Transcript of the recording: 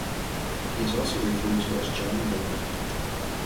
He is also referred to as John Boman.